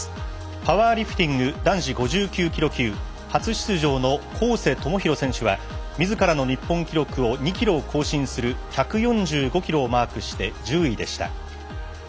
パワーリフティング男子５９キロ級初出場の光瀬智洋選手はみずからの日本記録を２キロ更新する１４５キロをマークして１０位でした。